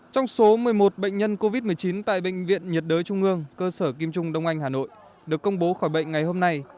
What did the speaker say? trong số một mươi một bệnh nhân covid một mươi chín tại bệnh viện nhiệt đới trung ương cơ sở kim trung đông anh hà nội được công bố khỏi bệnh ngày hôm nay